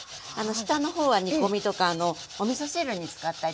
下の方は煮込みとかおみそ汁に使ったりするといいですね。